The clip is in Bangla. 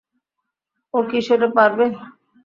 ও কি সেটা পারবে?